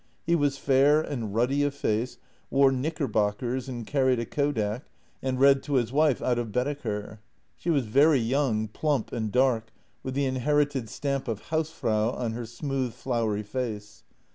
He was fair and ruddy of face, wore knickerbockers and carried a kodak, and read to his wife out of Baedeker. She was very young, plump, and dark, with the inherited stamp of hausfrau on her smooth, floury face.